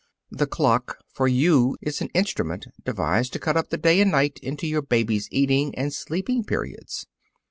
The clock, for you, is an instrument devised to cut up the day and night into your baby's eating and sleeping periods.